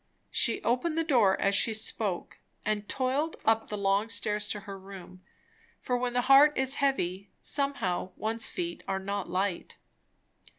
She opened the door as she spoke, and toiled up the long stairs to her room; for when the heart is heavy somehow one's feet are not light.